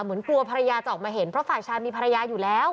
เหมือนกลัวภรรยาจะออกมาเห็นเพราะฝ่ายชายมีภรรยาอยู่แล้ว